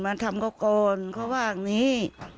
มาทำเขาก่อนเขาว่าอย่างนี้